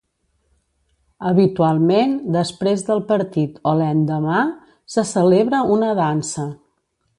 Habitualment, després del partit o l'endemà se celebra una dansa.